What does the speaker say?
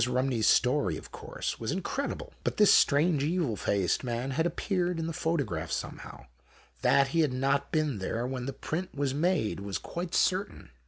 Rumney's story, of course, was incredible, but this strange evil faced man had appeared in the photograph somehow. That he had not been there when the print was made was quite certain.